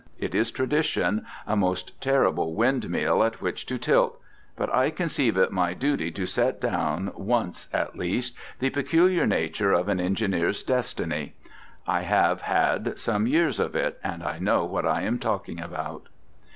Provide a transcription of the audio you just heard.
It is tradition, a most terrible windmill at which to tilt; but I conceive it my duty to set down once at least the peculiar nature of an engineer's destiny. I have had some years of it, and I know what I am talking about.